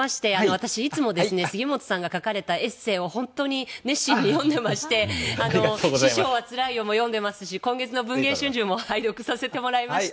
私、いつも杉本さんが書かれたエッセーを本当に熱心に読んでいまして「師匠はつらいよ」も読んでますし今月の「文藝春秋」も拝見させていただきました。